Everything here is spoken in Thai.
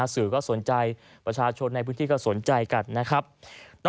สื่อก็สนใจประชาชนในพื้นที่ก็สนใจกันนะครับ